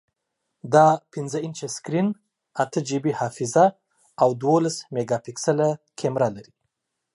دا پنځه انچه سکرین، اته جی بی حافظه، او دولس میګاپکسله کیمره لري.